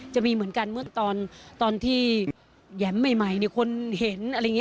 จะมีเหมือนกันเมื่อตอนที่แหยมใหม่คนเห็นอะไรอย่างนี้